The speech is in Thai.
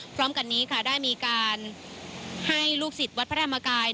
พร้อมกันนี้ค่ะได้มีการให้ลูกศิษย์วัดพระธรรมกาย